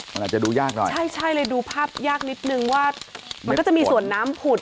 มันอาจจะดูยากหน่อยใช่ใช่เลยดูภาพยากนิดนึงว่ามันก็จะมีส่วนน้ำผุด